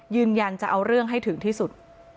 ยืนยันจะเอาเรื่องให้ถึงที่สุด